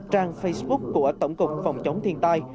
trang facebook của tổng cục phòng chống thiên tai